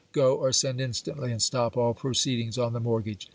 Go or send instantly, and stop all proceedings on the mortgage.